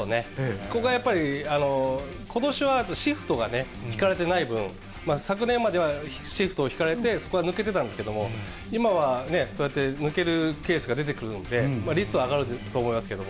そこがやっぱりことしはシフトが引かれてない分、昨年まではシフトを引かれて、そこが抜けてたんですけれども、今はそうやって抜けるケースが出てくるので、率は上がると思いますけど。